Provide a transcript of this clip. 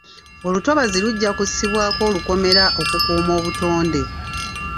Olutobazi lujja kussibwako olukomera okukuuma obutonde.